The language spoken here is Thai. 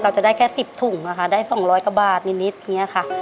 จะได้แค่๑๐ถุงนะคะได้๒๐๐กว่าบาทนิดอย่างนี้ค่ะ